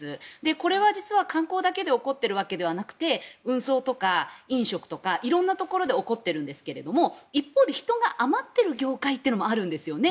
これは実は観光だけで起こっているわけではなくて運送とか飲食とか色んなところで起こっているんですが一方で人が余っている業界もあるんですね。